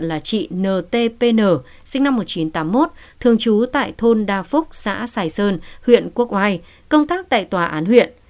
trường trung học phổ thông quốc oai được ghi nhận là chị ntpn sinh năm một nghìn chín trăm tám mươi một thường trú tại thôn đa phúc xã sài sơn huyện quốc oai công tác tại tòa án huyện